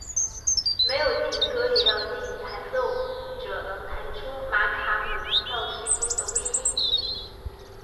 没有琴格也让弹奏者能弹出玛卡姆调式中的微音。